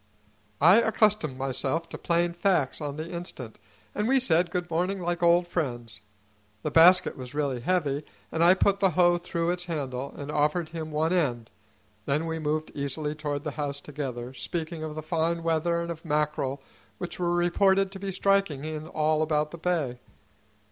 I accustomed myself to plain facts on the instant, and we said good morning like old friends. The basket was really heavy, and I put the hoe through its handle and offered him one end; then we moved easily toward the house together, speaking of the fine weather and of mackerel which were reported to be striking in all about the bay.